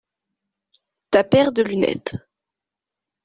Ta paire de lunettes.